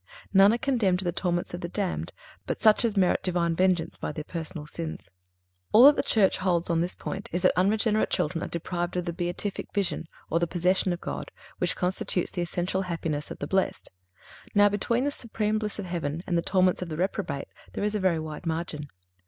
None are condemned to the torments of the damned but such as merit Divine vengeance by their personal sins. All that the Church holds on this point is that unregenerate children are deprived of the beatific vision, or the possession of God, which constitutes the essential happiness of the blessed. Now, between the supreme bliss of heaven and the torments of the reprobate, there is a very wide margin.